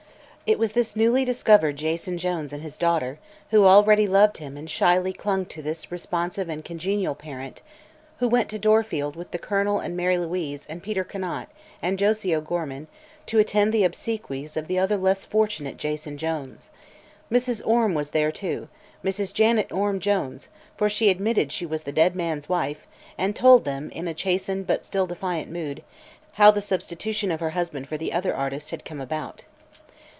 It was this newly discovered Jason Jones and his daughter who already loved him and shyly clung to this responsive and congenial parent who went to Dorfield with the Colonel and Mary Louise and Peter Conant and Josie O'Gorman to attend the obsequies of the other less fortunate Jason Jones. Mrs. Orme was there, too; Mrs. Janet Orme Jones; for she admitted she was the dead man's wife and told them, in a chastened but still defiant mood, how the substitution of her husband for the other artist had come about.